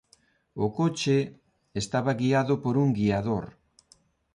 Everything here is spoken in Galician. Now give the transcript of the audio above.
O coche estaba guiado por un guiador.